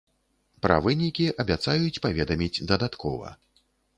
Пра вынікі абяцаюць паведаміць дадаткова.